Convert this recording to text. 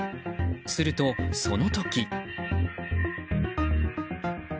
すると、その時。